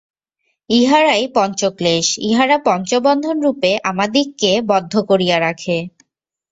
ইহারাই পঞ্চ ক্লেশ, ইহারা পঞ্চবন্ধনরূপে আমাদিগকে বদ্ধ করিয়া রাখে।